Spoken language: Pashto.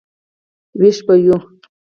وېښ به یو.